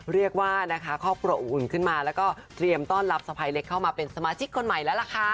เรียกว่านะคะครอบครัวอบอุ่นขึ้นมาแล้วก็เตรียมต้อนรับสะพายเล็กเข้ามาเป็นสมาชิกคนใหม่แล้วล่ะค่ะ